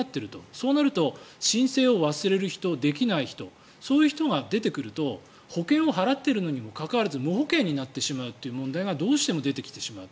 そうなると申請を忘れる人、できない人そういう人が出てくると保険を払っているにもかかわらず無保険になってしまうという問題がどうしても出てきてしまう。